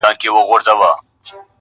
خولې اسمان ته د وړوكو د لويانو!.